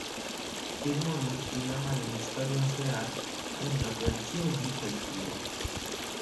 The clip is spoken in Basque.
Film honi, Zinemaren Historian zehar, hainbat bertsio egin zaizkio.